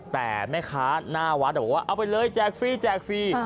แต่แม่ค้าหน้าวัดบอกว่าเอาไปเลยแจกฟรีแจกฟรี